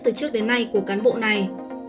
từ trước đến nay của cán bộ này